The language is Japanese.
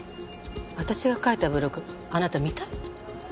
私が書いたブログあなた見たい？えっ？